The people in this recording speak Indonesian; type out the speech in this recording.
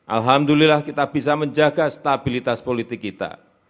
alhamdulillah kita bisa menjaga stabilitas politik kita